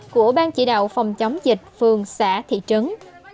của ban chỉ đạo phòng chống dịch phường xã thị trấn